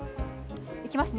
いきますね。